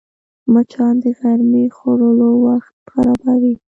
مچان د غرمې خوړلو وخت خرابوي